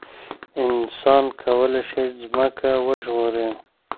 انسان کولای شي ځمکه وژغوري.